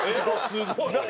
すごいな！